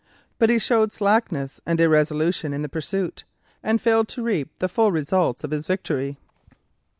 But he showed slackness and irresolution in the pursuit, and failed to reap the full results of his victory.